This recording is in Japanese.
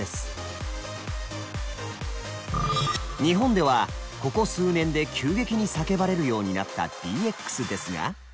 日本ではここ数年で急激に叫ばれるようになった「ＤＸ」ですが。